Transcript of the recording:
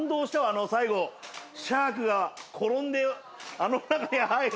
最後シャークが転んであの中に入る。